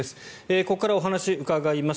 ここからお話を伺います。